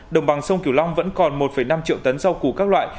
đồng bằng sông kiều long vẫn còn một năm triệu tấn rau củ các loại